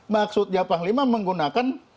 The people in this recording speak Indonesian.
maksudnya panglima menggunakan